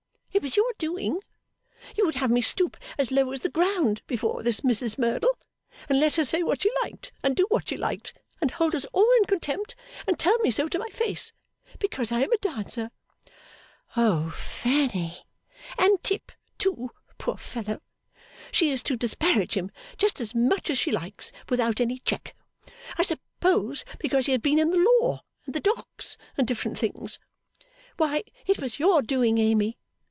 It was your doing. You would have me stoop as low as the ground before this Mrs Merdle, and let her say what she liked and do what she liked, and hold us all in contempt, and tell me so to my face. Because I am a dancer!' 'O Fanny!' 'And Tip, too, poor fellow. She is to disparage him just as much as she likes, without any check I suppose because he has been in the law, and the docks, and different things. Why, it was your doing, Amy.